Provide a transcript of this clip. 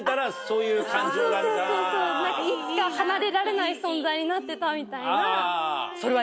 いつか離れられない存在になってたみたいな。